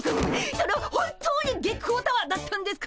それ本当に月光タワーだったんですか！？